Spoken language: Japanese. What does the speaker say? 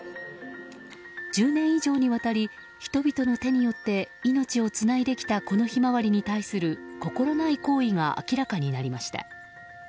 １０年以上にわたり人々の手によって命をつないできたこのヒマワリに対する心無い行為が明らかになりました。